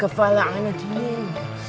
kepala anak dingin